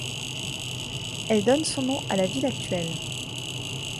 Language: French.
Elle donne son nom à la ville actuelle.